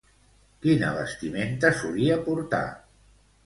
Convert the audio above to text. Quina vestimenta solia portar?